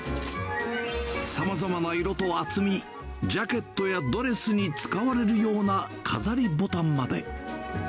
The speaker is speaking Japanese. さまざまな色と厚み、ジャケットやドレスに使われるような飾りボタンまで。